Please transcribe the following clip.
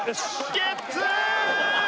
ゲッツー！